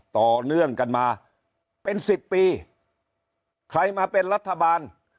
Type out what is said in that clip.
ต่อเนื่องกันมาเป็นสิบปีใครมาเป็นรัฐบาล